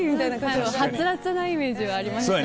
はつらつなイメージはありましたよね。